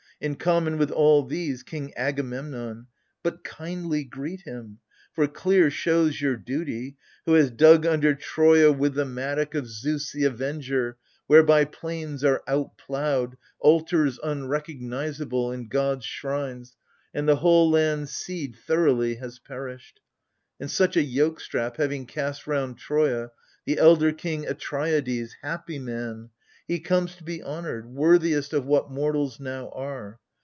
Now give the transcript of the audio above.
In common with all these — king Agamemnon. But kindly greet him — for clear shows your duty — Who has dug under Troia with the mattock 44 AGAMEMNON. Of Zeus the Avenger, whereby plams are out ploughed, Altars unrecognizable, and gods' shrines. And the whole land's seed thoroughly has perished. And such a yoke strap having cast round Troia, The elder king Atreides, happy man — he Comes to be honoured, worthiest of what mortals Now are.